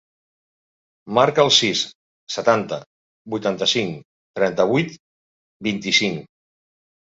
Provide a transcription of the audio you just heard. Marca el sis, setanta, vuitanta-cinc, trenta-vuit, vint-i-cinc.